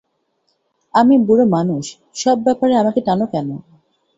আমি বুড়োমানুষ, সব ব্যাপারে আমাকে টানো কেন?